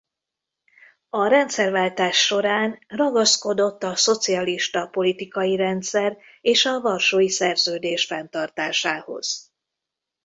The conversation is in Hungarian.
A rendszerváltás során ragaszkodott a szocialista politikai rendszer és a Varsói Szerződés fenntartásához.